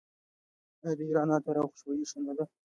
آیا د ایران عطر او خوشبویي ښه نه ده؟